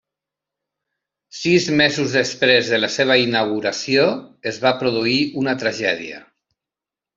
Sis mesos després de la seva inauguració es va produir una tragèdia.